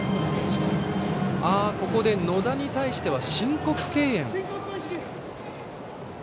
ここで野田に対しては申告敬遠。